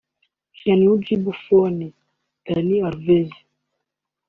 Gianluigi Buffon; Dani Alves